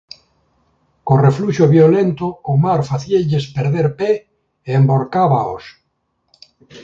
Cun refluxo violento o mar facíalles perder pé e envorcábaos.